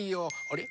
あれ？